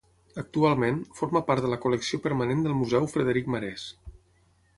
Actualment, forma part de la col·lecció permanent del Museu Frederic Marès.